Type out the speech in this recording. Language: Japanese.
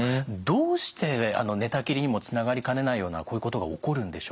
どうして寝たきりにもつながりかねないようなこういうことが起こるんでしょうか。